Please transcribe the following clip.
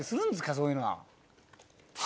そういうのは。